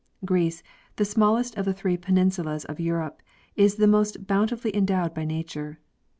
Greece, the smallest of the three peninsulas of Europe, is the most bountifully endowed by nature.